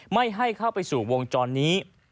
ไม่ให้เข้าไปสู่วงจรนี้